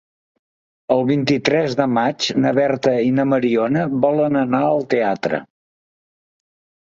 El vint-i-tres de maig na Berta i na Mariona volen anar al teatre.